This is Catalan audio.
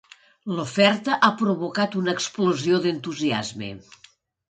L'oferta ha provocat una explosió d'entusiasme.